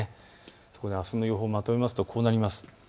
そこであすの予報をまとめるとこうなります。